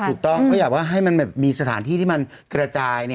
ถูกต้องเพราะอยากว่าให้มันมีสถานที่ที่มันกระจาย